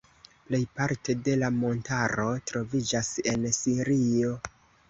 Plejparte de la montaro troviĝas en Sirio.